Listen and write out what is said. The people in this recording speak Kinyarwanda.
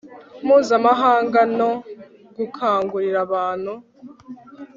mpuzamahanga no gukangurira abantu